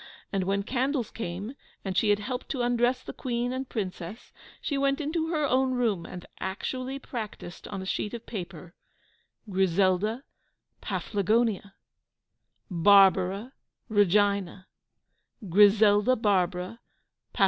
And when candles came, and she had helped to undress the Queen and Princess, she went into her own room, and actually practiced, on a sheet of paper, "Griselda Paflagonia," "Barbara Regina," "Griselda Barbara, Paf.